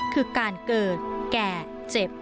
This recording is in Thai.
คือการเกิดแก่เจ็บ